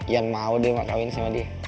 yan mau deh emak kawin sama dia